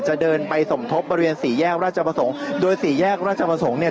จะเดินไปสมทบบริเวณสี่แยกราชประสงค์โดยสี่แยกราชประสงค์เนี่ย